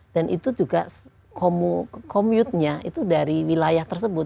dan itu juga commute nya itu dari wilayah tersebut